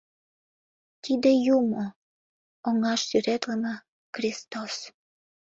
Тиде юмо, оҥаш сӱретлыме Кристос.